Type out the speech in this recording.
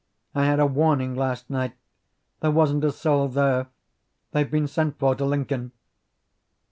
I had a warning last night. There wasn't a soul there. They've been sent for to Lincoln."